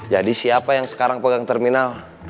jadi siapa yang sekarang pegang terminal